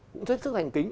cũng rất sức hành kính